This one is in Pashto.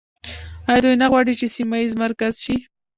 آیا دوی نه غواړي چې سیمه ییز مرکز شي؟